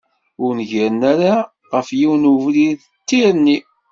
Ur ngiren ara ɣef yiwen n ubrid, d tirni.